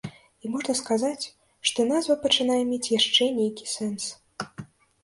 І можна сказаць, што назва пачынае мець яшчэ нейкі сэнс.